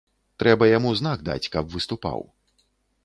Трэба яму знак даць, каб выступаў.